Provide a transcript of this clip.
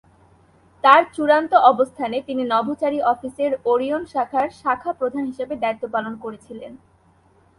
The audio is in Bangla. তার চূড়ান্ত অবস্থানে তিনি নভোচারী অফিসের ওরিয়ন শাখার শাখা প্রধান হিসাবে দায়িত্ব পালন করেছিলেন।